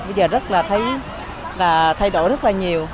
bây giờ rất là thấy là thay đổi rất là nhiều